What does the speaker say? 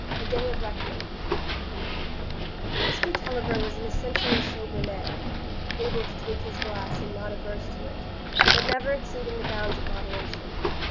A Day of Reckoning Mr Tulliver was an essentially sober man,—able to take his glass and not averse to it, but never exceeding the bounds of moderation.